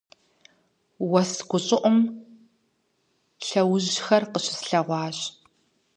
Уэс гущӀыӀум лъэужьхэр къыщыслъэгъуащ.